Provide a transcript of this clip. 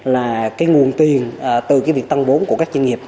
là cái nguồn tiền từ cái việc tăng vốn của các doanh nghiệp